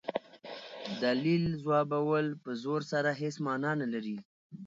دلیل ځوابول په زور سره هيڅ مانا نه لري.